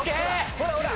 ほらほらっ！